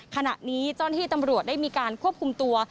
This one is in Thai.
ขณะนี้เจ้าหน้าที่ตำรวจได้มีการควบคุมตัว